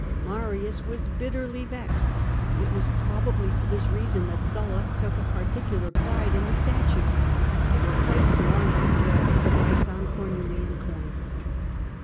Marius was bitterly vexed ; it was probably for this reason that Sulla took a particular pride in the statues ; they were placed long after as the device on Cornelian coins.